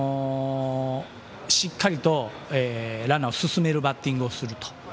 しっかりと、ランナーを進めるバッティングをする。